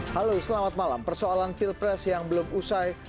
halo selamat malam persoalan pilpres yang belum usai